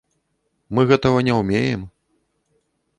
Мы гэтага не ўмеем.